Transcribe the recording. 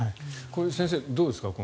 先生どうですか。